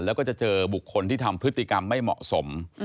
แล้วก็จะเจอบุคคลที่ทำพฤติกรรมไม่เหมาะสม